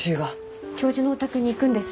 教授のお宅に行くんです。